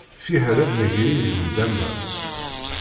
Fiḥel ad d-negri di nndama.